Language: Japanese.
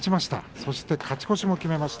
そして勝ち越しました